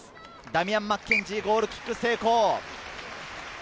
ダミアン・マッケンジー、ゴールキック成功。